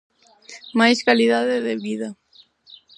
Máis calidade de vida.